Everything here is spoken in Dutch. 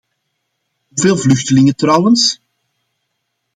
Hoeveel vluchtelingen trouwens?